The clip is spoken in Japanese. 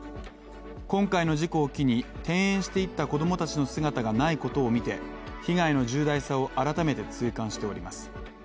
今回の事故を機に、転園していった子供たちの姿がないことを見て被害の重大さを改めて痛感しております。